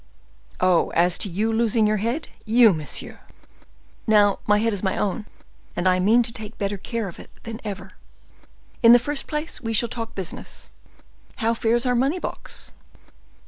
"Oh, as to you losing your head—you, monsieur!" "Now my head is my own, and I mean to take better care of it than ever. In the first place we shall talk business. How fares our money box?"